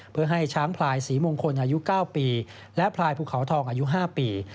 เพื่อให้ช้างพลายศรีมงคลอายุ๙ปีและพลายภูเขาทองอายุ๕ปี